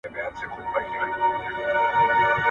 شاعر د خپل زړه درد په ډېر ساده ډول بیانوي.